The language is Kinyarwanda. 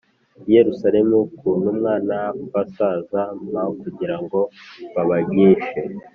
i Yerusalemu ku ntumwa n abasaza m kugira ngo babagishe